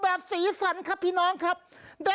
สวัสดีค่ะต่างทุกคน